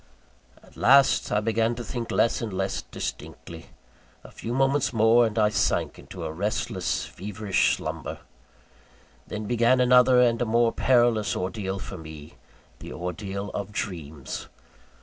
At last I began to think less and less distinctly a few moments more, and I sank into a restless, feverish slumber. Then began another, and a more perilous ordeal for me the ordeal of dreams.